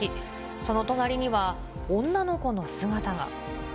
その隣には、女の子の姿が。